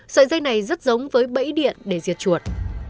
sợi dây này rất giống với bẫy điện để diệt chuột